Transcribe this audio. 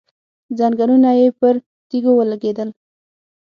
ځنګنونه يې پر تيږو ولګېدل.